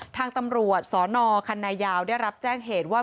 ทางตำรวจสนคันนายาวได้รับแจ้งเหตุว่า